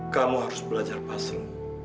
kamu harus belajar pasal